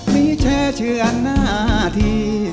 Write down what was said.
ไม่แช่เชือนหน้าที่